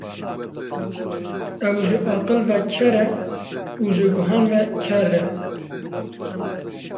Ew ji aqil ve ker e, û ji guhan ve kerr e.